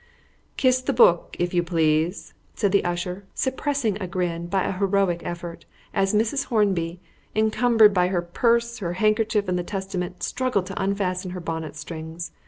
"Kiss the Book, if you please," said the usher, suppressing a grin by an heroic effort, as Mrs. Hornby, encumbered by her purse, her handkerchief and the Testament, struggled to unfasten her bonnet strings.